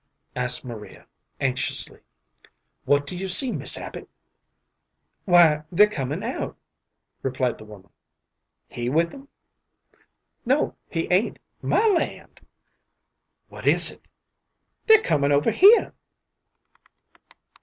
asked Maria, anxiously. "What do you see, Mis' Abbot?" "Why, they're comin' out," replied the woman. "He with 'em?" "No, he ain't. My land!" "What is it?" "They're comin' over here."